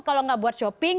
kalau tidak buat shopping